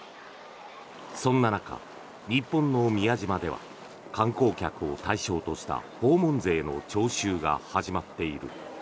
そんな中、日本の宮島では観光客を対象とした訪問税の徴収が始まっている。